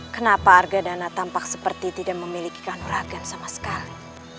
kenapa arga dana tampak seperti tidak memiliki kanuragan sama sekali